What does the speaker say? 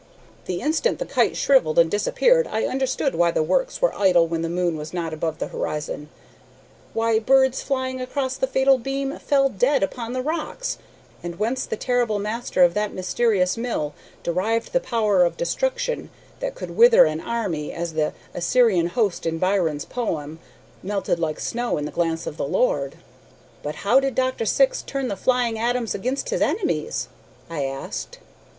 "The instant the kite shrivelled and disappeared I understood why the works were idle when the moon was not above the horizon, why birds flying across that fatal beam fell dead upon the rocks, and whence the terrible master of that mysterious mill derived the power of destruction that could wither an army as the Assyrian host in Byron's poem "Melted like snow in the glance of the Lord." "But how did Dr. Syx turn the flying atoms against his enemies?" I asked.